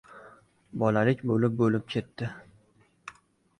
Bolalik bo‘lib-bo‘lib ketdi.